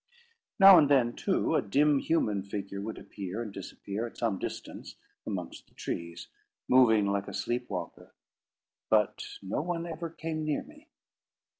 Now and then, too, a dim human figure would appear and disappear, at some distance, amongst the trees, moving like a sleep walker. But no one ever came near me.